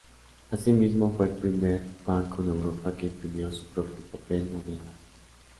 Asimismo, fue el primer banco en Europa que imprimió su propio papel moneda.